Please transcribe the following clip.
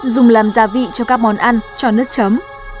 dùng làm gia vị cho các món ăn cho nước chấm